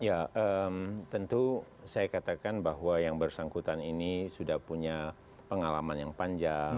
ya tentu saya katakan bahwa yang bersangkutan ini sudah punya pengalaman yang panjang